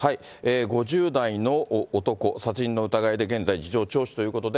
５０代の男、殺人の疑いで現在、事情聴取ということで、